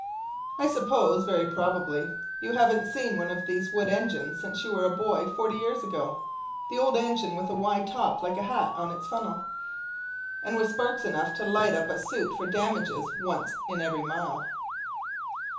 I suppose, very probably, you haven't seen one of these wood engines since you were a boy forty years ago, the old engine with a wide top like a hat on its funnel, and with sparks enough to light up a suit for damages once in every mile.